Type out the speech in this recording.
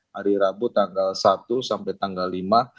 hari rabu tanggal satu sampai tanggal lima